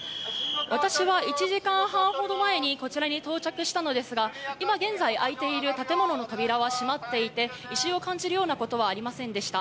私は１時間半ほど前にこちらに到着したのですが、今現在、開いている建物の扉は閉まっていて、異臭を感じるようなことはありませんでした。